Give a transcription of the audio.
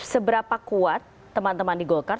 seberapa kuat teman teman di golkar